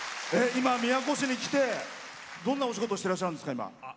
今、宮古市に来てどんなお仕事してらっしゃるんですか？